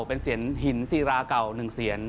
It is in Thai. เป็นเศียรหินซีราเก่าหนึ่งเศียร